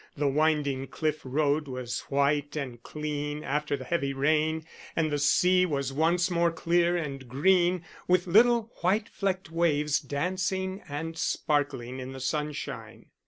The winding cliff road was white and clean after the heavy rain, and the sea was once more clear and green, with little white flecked waves dancing and sparkling in the sunshine.